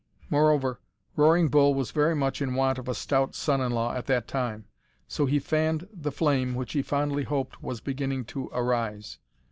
Moreover, Roaring Bull was very much in want of a stout son in law at that time, so he fanned the flame which he fondly hoped was beginning to arise.